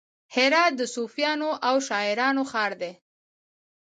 هرات د صوفیانو او شاعرانو ښار دی.